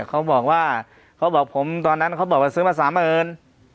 เขาบอกว่าเขาบอกผมตอนนั้นเขาบอกว่าซื้อมาสามหมื่น